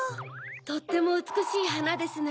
とってもうつくしいはなですね。